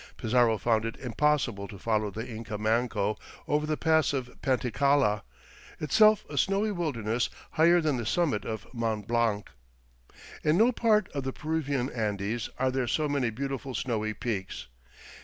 Pizarro found it impossible to follow the Inca Manco over the Pass of Panticalla, itself a snowy wilderness higher than the summit of Mont Blanc. In no part of the Peruvian Andes are there so many beautiful snowy peaks.